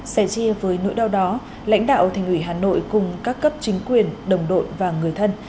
sẻ chia với nỗi đau đó lãnh đạo thành ủy hà nội cùng các cấp chính quyền đồng đội và người thân